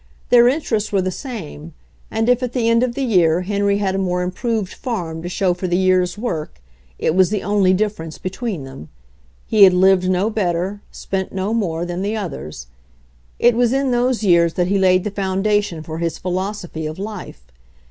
Their interests were the same, and if at the end of the year Henry had a more improved farm to show for the year's work, it was the only difference be tween them. He had lived no better, spent ho more, than the others. It was in those years that he laid the founda tion for his philosophy of life.